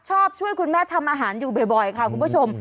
ช่วยคุณแม่ทำอาหารอยู่บ่อยค่ะคุณผู้ชม